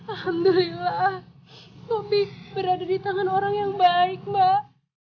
alhamdulillah tobi berada di tangan orang yang baik mbak